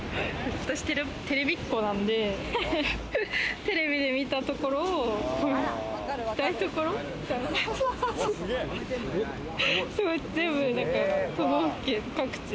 私、テレビっ子なんで、テレビで見たところを、行きたいところ、全部、都道府県各地。